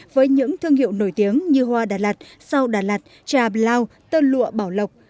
với những thương hiệu nổi tiếng như hoa đà lạt sau đà lạt trà blau tân lụa bảo lộc